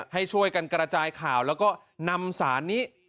ให้ช่วยกันกระจายข่าวแล้วก็นำสารนี้